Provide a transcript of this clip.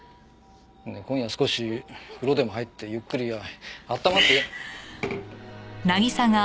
今夜は少し風呂でも入ってゆっくり温まって。